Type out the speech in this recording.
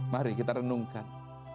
mari kita renungkan